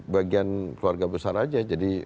bagian keluarga besar aja